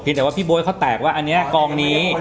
พี่โบ๊ยเขาแตกว่าอันนี้กองนี้